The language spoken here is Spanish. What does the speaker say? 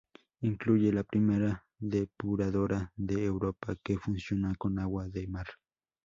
Incluye la primera depuradora de Europa que funciona con agua de mar.